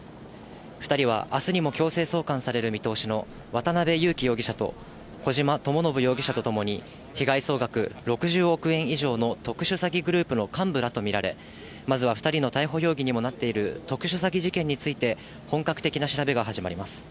２人はあすにも強制送還される見通しの渡辺優樹容疑者と小島智信容疑者と共に、被害総額６０億円以上の特殊詐欺グループの幹部らと見られ、まずは２人の逮捕容疑にもなっている特殊詐欺事件について、本格的な調べが始まります。